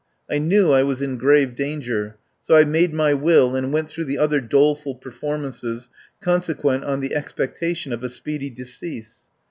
I knew I was in grave danger, so I made my will and went through the other doleful performances con sequent on the expectation of a speedy decease.